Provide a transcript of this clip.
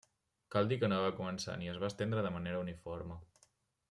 Cal dir que no va començar ni es va estendre de manera uniforme.